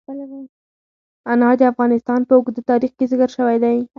انار د افغانستان په اوږده تاریخ کې ذکر شوی دی.